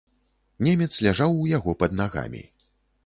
Немец ляжаў у яго пад нагамі.